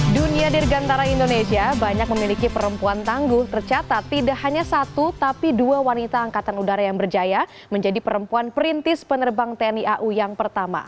dunia dirgantara indonesia banyak memiliki perempuan tangguh tercatat tidak hanya satu tapi dua wanita angkatan udara yang berjaya menjadi perempuan perintis penerbang tni au yang pertama